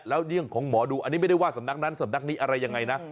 แล้วเรื่องของหมอดูอันนี้ไม่ได้ว่าสำนักนั้นสำนักนี้อะไรยังไงนะ